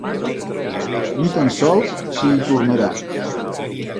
Ni tan sols si hi tornarà.